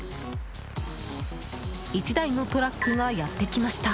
１台のトラックがやってきました。